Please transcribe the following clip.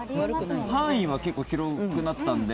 範囲は結構広くなったので。